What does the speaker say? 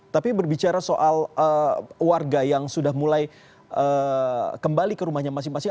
tapi berbicara soal warga yang sudah mulai kembali ke rumahnya masing masing